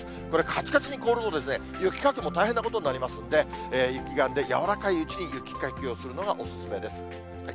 これ、かちかちに凍ると、雪かきも大変なことになりますので、雪がやんで、やわらかいうちに雪かきをするのがお勧めです。